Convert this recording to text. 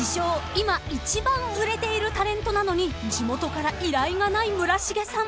今一番売れているタレントなのに地元から依頼がない村重さん］